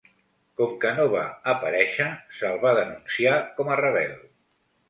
Com que no va aparèixer, se'l va denunciar com a rebel.